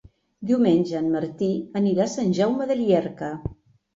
Diumenge en Martí anirà a Sant Jaume de Llierca.